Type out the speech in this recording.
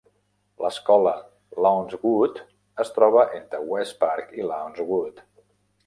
L'escola Lawnswood es troba entre West Park i Lawnswood.